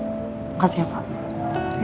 yaudah gue balik ke kamarnya dulu ya